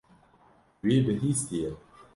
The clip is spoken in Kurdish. Wî bihîstiye.